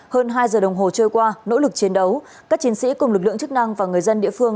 hơn hai giờ đồng hồ trôi qua nỗ lực chiến đấu các chiến sĩ cùng lực lượng chức năng và người dân địa phương